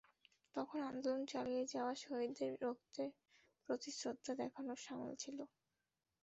তখন আন্দোলন চালিয়ে যাওয়া শহীদদের রক্তের প্রতি শ্রদ্ধা দেখানোর শামিল ছিল।